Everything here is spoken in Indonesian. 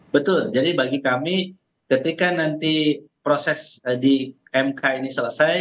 betul jadi bagi kami ketika nanti proses di mk ini selesai